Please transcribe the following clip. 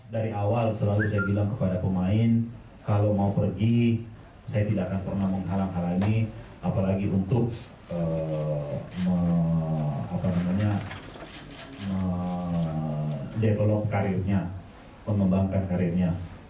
dari awal selalu saya bilang kepada pemain kalau mau pergi saya tidak akan pernah menghalang halangi apalagi untuk mendevelop karirnya mengembangkan karirnya